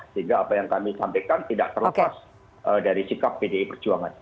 sehingga apa yang kami sampaikan tidak terlepas dari sikap pdi perjuangan